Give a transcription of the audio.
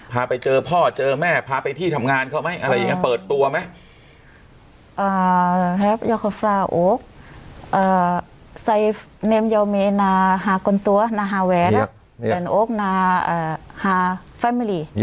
พาไปเจอพ่อเจอแม่พาไปที่ทำงานเขาไหมอะไรอย่างนี้เปิดตัวไหม